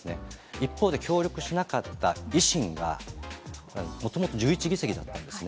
一方で、協力しなかった維新が、もともと１１議席だったんですね。